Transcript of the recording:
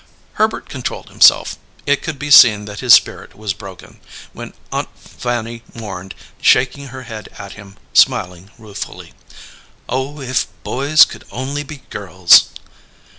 Herbert controlled himself. It could be seen that his spirit was broken, when Aunt Fanny mourned, shaking her head at him, smiling ruefully: "Oh, if boys could only be girls!"